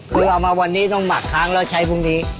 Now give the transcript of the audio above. คือเอามาวันนี้ต้องหมักค้างแล้วใช้พรุ่งนี้